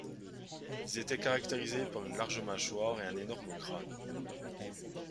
Ils étaient caractérisés par une large mâchoire et un énorme crâne.